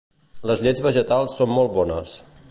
Les llets vegetals són molt bones